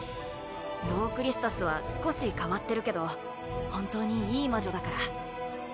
ロー・クリスタスは少し変わってるけど本当にいい魔女だから